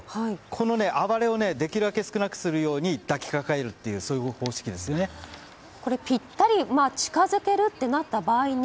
この暴れをできるだけ少なくするように抱きかかえるぴったり近づけるとなった場合